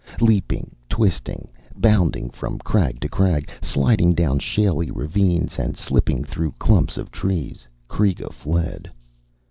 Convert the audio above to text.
Leaping, twisting, bounding from crag to crag, sliding down shaly ravines and slipping through clumps of trees, Kreega fled.